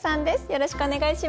よろしくお願いします。